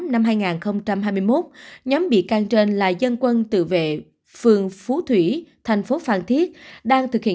năm hai nghìn hai mươi một nhóm bị can trên là dân quân tự vệ phường phú thủy thành phố phan thiết đang thực hiện